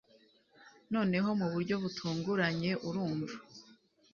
noneho mu buryo butunguranye urumva